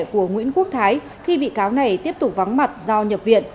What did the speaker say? của nguyễn quốc thái khi bị cáo này tiếp tục vắng mặt do nhập viện